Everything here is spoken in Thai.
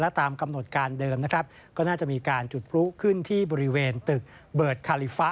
ตามกำหนดการเดิมนะครับก็น่าจะมีการจุดพลุขึ้นที่บริเวณตึกเบิร์ดคาลิฟะ